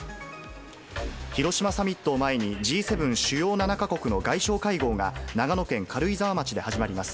広島サミットを前に、Ｇ７・主要７か国の外相会合が、長野県軽井沢町で始まります。